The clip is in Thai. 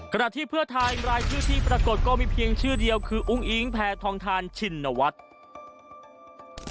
ขณะที่เพื่อไทยรายชื่อที่ปรากฏก็มีเพียงชื่อเดียวคืออุ้งอิงแพทองทานชินวัฒน์